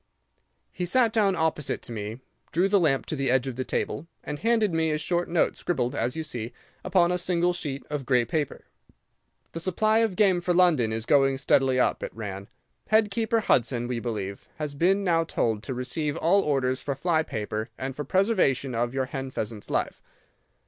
He sat down opposite to me, drew the lamp to the edge of the table, and handed me a short note scribbled, as you see, upon a single sheet of grey paper. 'The supply of game for London is going steadily up,' it ran. 'Head keeper Hudson, we believe, has been now told to receive all orders for fly paper and for preservation of your hen pheasant's life.